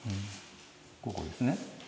ここですね。